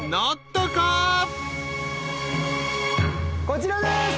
こちらです。